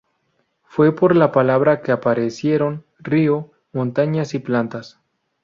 Fue por la palabra que aparecieron río, montañas y plantas.